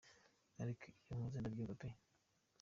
“Ariko iyo nkoze ndabyumva pe,”.